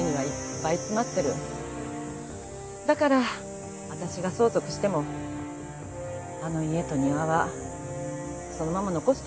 だから私が相続してもあの家と庭はそのまま残しておこうと思ってるの。